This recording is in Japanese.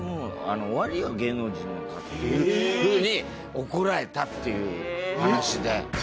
芸能人なんかっていうふうに怒られたっていう話で。